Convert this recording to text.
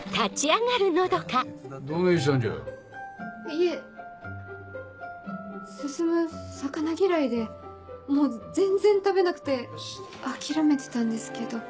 いえ進魚嫌いでもう全然食べなくて諦めてたんですけど。